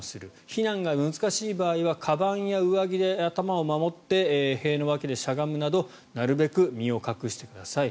避難が難しい場合はかばんや上着で頭を守って塀の脇でしゃがむなどなるべく身を隠してください。